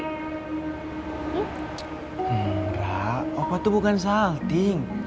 enggak opa tuh bukan salting